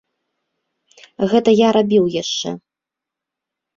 Гэта я рабіў яшчэ.